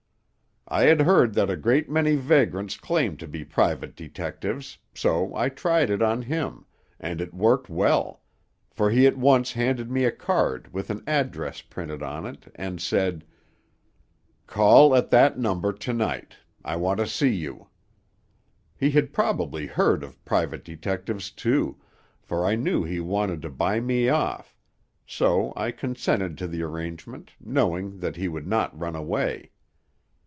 "I had heard that a great many vagrants claim to be private detectives, so I tried it on him, and it worked well; for he at once handed me a card with an address printed on it, and said, "'Call at that number to night; I want to see you.' "He had probably heard of private detectives, too, for I knew he wanted to buy me off; so I consented to the arrangement, knowing that he would not run away.